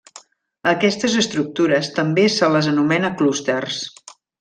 A aquestes estructures també se les anomena clústers.